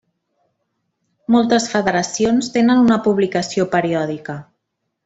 Moltes federacions tenen una publicació periòdica.